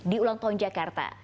di ulang tahun jakarta